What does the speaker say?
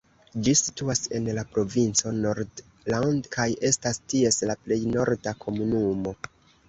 Ĝi situas en la provinco Nordland kaj estas ties la plej norda komunumo.